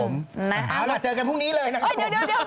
เอาล่ะเจอกันพรุ่งนี้เลยนะครับผม